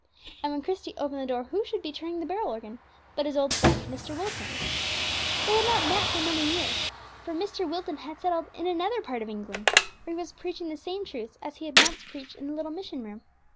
And, when Christie opened the door, who should be turning the barrel organ but his old friend, Mr. Wilton! They had not met for many years, for Mr. Wilton had settled in another part of England, where he was preaching the same truths as he had once preached in the little mission room.